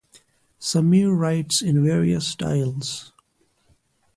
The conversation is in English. Samir writes in various styles.